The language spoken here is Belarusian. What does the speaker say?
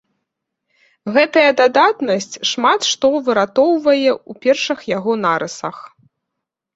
Гэтая дадатнасць шмат што выратоўвае ў першых яго нарысах.